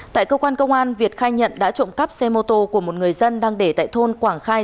tại cơ quan công an việt khai nhận đã trộm cắp xe mô tô của một người dân đang để tại thôn quảng khai